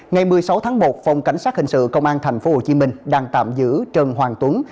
ngày một mươi sáu tháng một phòng cảnh sát hình sự công an tp hcm đang tạm giữ trần hoàng tuấn